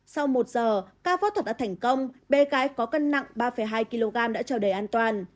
sau một giờ ca phẫu thuật đã thành công bê cái có cân nặng ba hai kg đã trở đầy an toàn